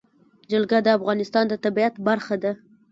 جلګه د افغانستان د طبیعت برخه ده.